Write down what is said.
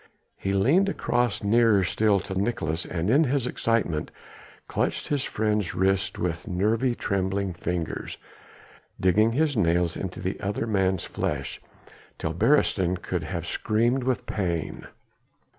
He leaned across nearer still to Nicolaes and in his excitement clutched his friend's wrists with nervy trembling fingers, digging his nails into the other man's flesh till Beresteyn could have screamed with pain.